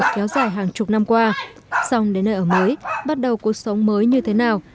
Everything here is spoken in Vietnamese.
kéo dài hàng chục năm qua xong đến nơi ở mới bắt đầu cuộc sống mới như thế nào